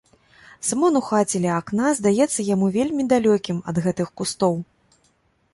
Сымон у хаце ля акна здаецца яму вельмі далёкім ад гэтых кустоў.